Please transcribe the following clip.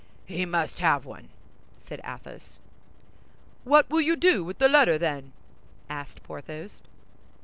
"He must have one," said Athos. "What will you do with the letter, then?" asked Porthos.